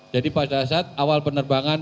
jadi pada saat awal penerbangan